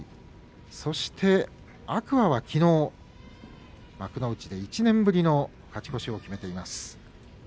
そして天空海はきのう幕内で１年ぶりの勝ち越しを決めています。